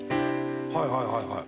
はいはいはいはい。